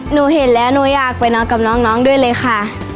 หนูเห็นแล้วหนูอยากไปนอนกับน้องด้วยเลยค่ะ